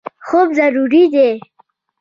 خوب ضروري دی.